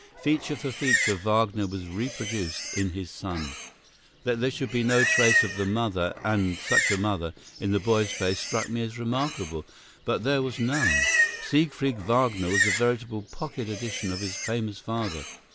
Feature for feature, Wagner was reproduced in his son. That there should be no trace of the mother, and such a mother, in the boy's face struck me as remarkable; but there was none. Siegfried Wagner was a veritable pocket edition of his famous father.